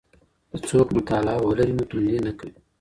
که څوک مطالعه ولري نو توندي نه کوي.